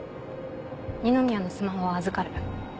二宮のスマホは預かる。